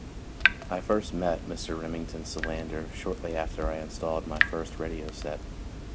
_ I first met Mr. Remington Solander shortly after I installed my first radio set.